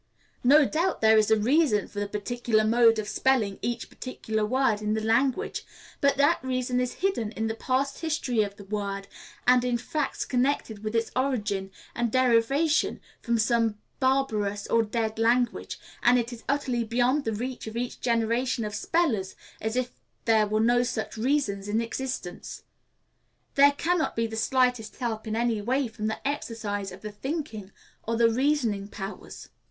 No doubt there is a reason for the particular mode of spelling each particular word in the language but that reason is hidden in the past history of the word and in facts connected with its origin and derivation from some barbarous or dead language, and is as utterly beyond the reach of each generation of spellers as if there were no such reasons in existence. There can not be the slightest help in any way from the exercise of the thinking or the reasoning powers.